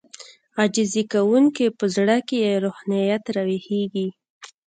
عاجزي کوونکی په زړه کې يې روحانيت راويښېږي.